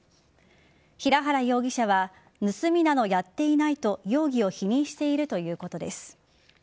平原容疑者は盗みなどやっていないと容疑を否認しているということです。